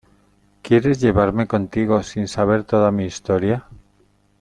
¿ quieres llevarme contigo sin saber toda mi historia?